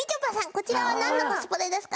こちらは何のコスプレですか？